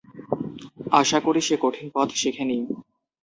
আশা করি সে কঠিন পথ শেখেনি।